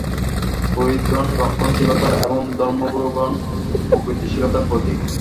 পুরোহিতগণ রক্ষণশীলতার এবং ধর্মগুরুগণ প্রগতিশীলতার প্রতীক।